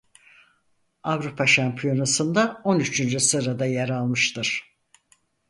Avrupa şampiyonasında on üçüncü sırada yer almıştır.